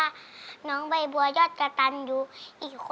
แล้วน้องใบบัวร้องได้หรือว่าร้องผิดครับ